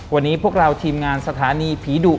วันนี้พวกเราทีมงานสถานีผีดุ